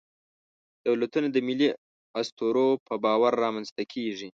دولتونه د ملي اسطورو په باور رامنځ ته کېږي.